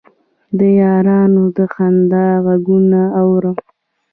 د یارانو د خندا غـــــــــــــــــږونه اورم